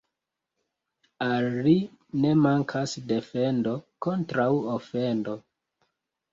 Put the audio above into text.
Al li ne mankas defendo kontraŭ ofendo.